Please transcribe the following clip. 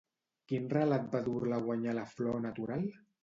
Quin relat va dur-la a guanyar la Flor Natural?